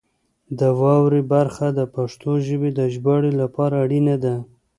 د واورئ برخه د پښتو ژبې د ژباړې لپاره اړینه ده.